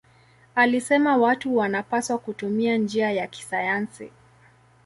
Alisema watu wanapaswa kutumia njia ya kisayansi.